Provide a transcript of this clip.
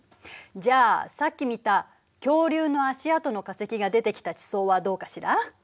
じゃあさっき見た恐竜の足跡の化石が出てきた地層はどうかしら？